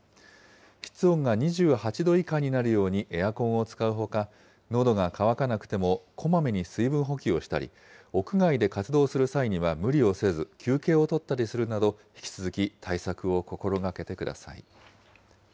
室温が２８度以下になるようにエアコンを使うほか、のどが渇かなくてもこまめに水分補給をしたり、屋外で活動する際には無理をせず、休憩を取ったりするなど、引き続き対策を心がけてください。